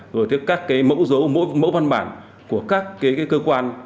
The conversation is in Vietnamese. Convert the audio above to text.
rồi tiếp các cái mẫu dấu mẫu văn bản của các cái cơ quan